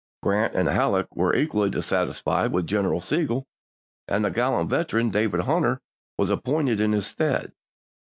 Grant and Halleck were equally dissatisfied with General Sigel, and the gallant veteran David Hunter was appointed in. his stead.